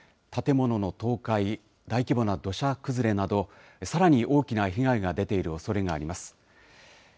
建物の倒壊、大規模な土砂崩れなどさらに大きな被害が出ているおそれがあります。